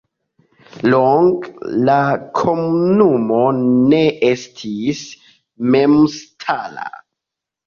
Longe la komunumo ne estis memstara.